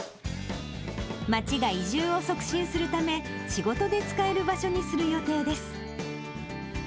町が移住を促進するため、仕事で使える場所にする予定です。